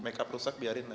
make up rusak biarin lah ya